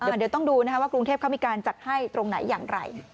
เดี๋ยวต้องดูนะคะว่ากรุงเทพเขามีการจัดให้ตรงไหนอย่างไร